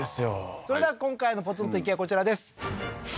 それでは今回のポツンと一軒家はこちらです